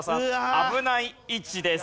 危ない位置です。